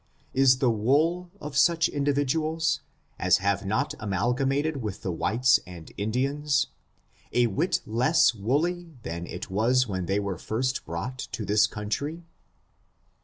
Is the wool of such individuals, as have not amalgamated with the whites and Indi ans, a whit less woolly than it was when they were first brought to this country